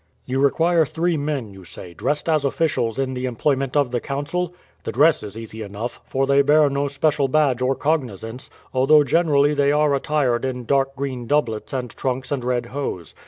"You require three men, you say, dressed as officials in the employment of the Council. The dress is easy enough, for they bear no special badge or cognizance, although generally they are attired in dark green doublets and trunks and red hose.